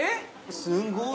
すごい。